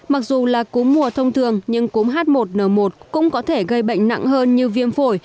mặc dù là cúm mùa thông thường nhưng cúm h một n một cũng có thể gây bệnh nặng hơn như viêm phổi